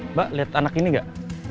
mbak lihat anak ini gak